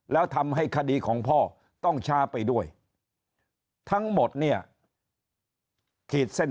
แล้วทำให้คดีของพ่อต้องช้าไปด้วยทั้งหมดเนี่ยขีดเส้น